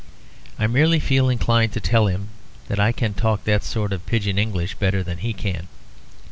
I merely feel inclined to tell him that I can talk that sort of pidgin English better than he can.